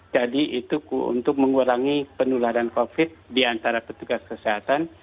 jadi itu untuk mengurangi penularan covid diantara petugas kesehatan